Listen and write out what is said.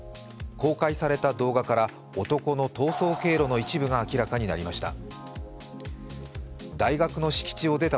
公開された動画から、男の逃走経路の一部が明らかになりました。